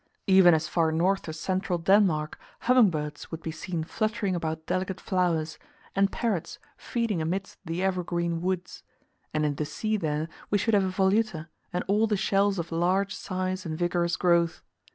Even as far north as central Denmark, humming birds would be seen fluttering about delicate flowers, and parrots feeding amidst the evergreen woods; and in the sea there, we should have a Voluta, and all the shells of large size and vigorous growth.